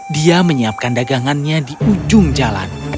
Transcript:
dia menyiapkan dagangannya di ujung jalan